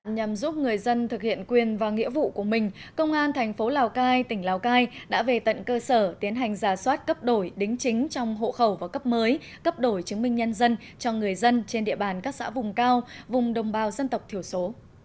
nhằm giúp người dân thực hiện quyền và nghĩa vụ của mình công an thành phố lào cai tỉnh lào cai đã về tận cơ sở tiến hành giả soát cấp đổi đính chính trong hộ khẩu và cấp mới cấp đổi chứng minh nhân dân cho người dân trên địa bàn các xã vùng cao vùng đồng bào dân tộc thiểu số